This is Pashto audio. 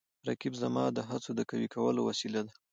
رقیب زما د هڅو د قوي کولو وسیله ده